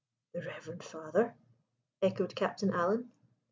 "The reverend father?" echoed Captain Alan.